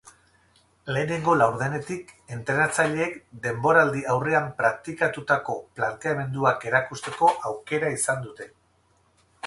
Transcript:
Lehenengo laurdenetik entrenatzaileek deboraldi-aurrean praktikatutako planteamenduak erakusteko aukera izan dute.